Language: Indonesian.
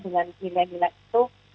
dengan nilai nilai itu